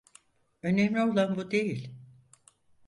Önemli olan bu değil.